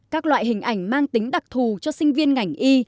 các loại hình ảnh mang tính đặc thù cho sinh viên ngành y